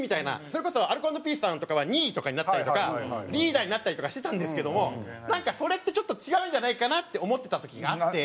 それこそアルコ＆ピースさんとかは２位とかになったりとかリーダーになったりとかしてたんですけどもなんかそれってちょっと違うんじゃないかなって思ってた時があって。